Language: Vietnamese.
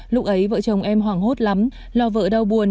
lúc ấy vợ chồng em hoảng hốt lắm lo vợ đau buồn